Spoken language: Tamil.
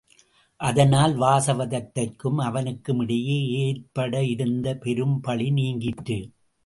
அதனால் வாசவதத்தைக்கும் அவனுக்குமிடையே ஏற்பட விருந்த பெரும் பழி நீங்கிற்று.